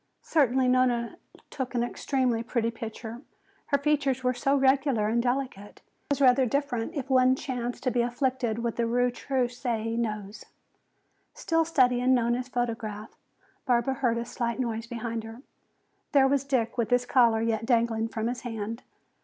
Certainly Nona took an extremely pretty picture. Her features were so regular and delicate. It was rather different if one chanced to be afflicted with a retroussé nose. Still studying Nona's photograph, Barbara heard a slight noise behind her. There was Dick with his collar yet dangling from his hand.